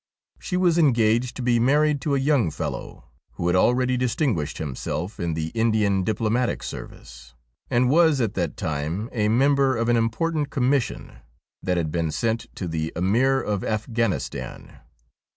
She was en gaged to be married to a young fellow who had already dis tinguished himself in the Indian diplomatic service, and was at that time a member of an important Commission that had been sent to the Ameer of Afghanistan.